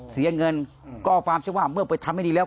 เสียเงินก็ความเชื่อว่าเมื่อไปทำให้ดีแล้ว